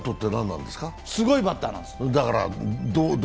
すごいバッターなんです。